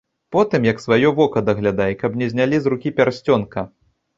Потым, як сваё вока даглядай, каб не знялі з рукі пярсцёнка!